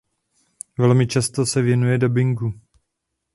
Velmi často se věnuje dabingu.